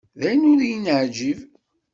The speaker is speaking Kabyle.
D ayen ur yi-neɛǧib.